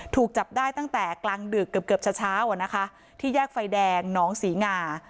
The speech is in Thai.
ถูกจับได้ตั้งแต่กลางดึกเกือบจะเช้าอ่ะนะคะที่แยกไฟแดงหนองศรีงา